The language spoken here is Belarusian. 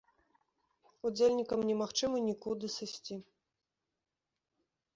Удзельнікам немагчыма нікуды сысці.